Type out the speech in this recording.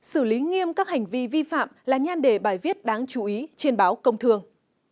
xử lý nghiêm các hành vi vi phạm là nhan đề bài viết đáng chú ý trên báo công thương